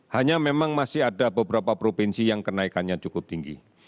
hanya memang masih ada beberapa provinsi yang kenaikannya cukup tinggi